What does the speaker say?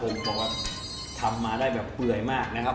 ผมบอกว่าทำมาได้แบบเปื่อยมากนะครับ